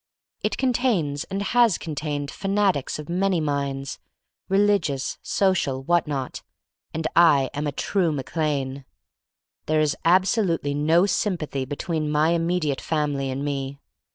It contains and has contained fanatics of many minds — religious, so cial, whatnot, and I am a true Mac Lane. There is absolutely no sympathy be tween my immediate family and me.